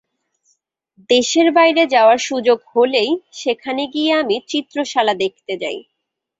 দেশের বাইরে যাওয়ার সুযোগ হলেই, সেখানে গিয়ে আমি চিত্রশালা দেখতে যাই।